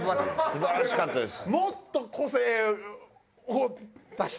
素晴らしかったです。